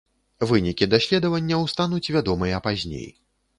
Вынікі даследаванняў стануць вядомыя пазней.